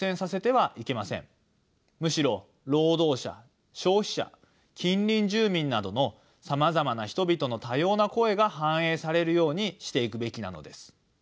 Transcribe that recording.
むしろ労働者消費者近隣住民などのさまざまな人々の多様な声が反映されるようにしていくべきなのです。